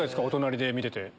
お隣で見てて。